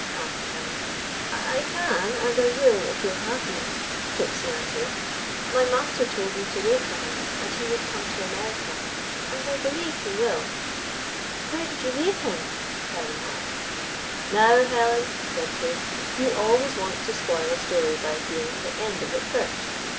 asked Helen. "I can, and I will, if you 'll have me," Gypsy answered. "My master told me to wait for him, and he would come to America; and I believe he will." " Where did you leave him?" Helen asked. 227 GYPSY, THE TALKING DOG "Now, Helen," said Chris, "you always want to spoil a story by hearing the end of it first.